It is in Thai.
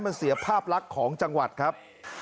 มันเสียภาพลักษณ์ของจังหวัดครับ